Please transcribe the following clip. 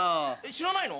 知らないの？